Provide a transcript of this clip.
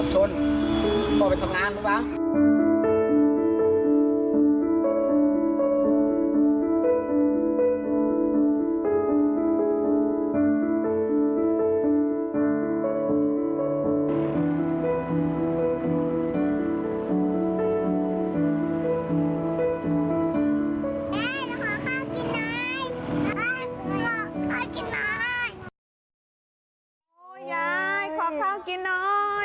เฮ้ยขอข้าวกินน้อยขอข้าวกินน้อย